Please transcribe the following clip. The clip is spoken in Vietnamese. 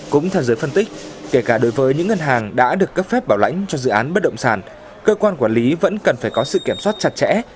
cũng theo giới phân tích kể cả đối với những ngân hàng đã được cấp phép bảo lãnh cho dự án bất động sản cơ quan quản lý vẫn cần phải có sự kiểm soát chặt chẽ